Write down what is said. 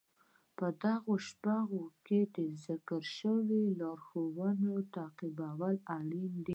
په دغو شپږو پړاوونو کې د ذکر شويو لارښوونو تعقيبول اړين دي.